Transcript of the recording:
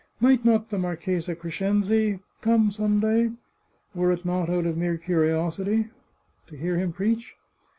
Might not the Marchesa Crescenzi come some day, were it out of mere curiosity, to hear him preach?